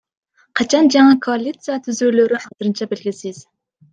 Качан жаңы коалиция түзүлөөрү азырынча белгисиз.